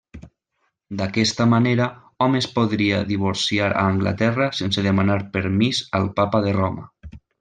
D'aquesta manera hom es podia divorciar a Anglaterra sense demanar permís al Papa de Roma.